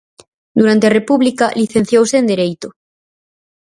Durante a República licenciouse en Dereito.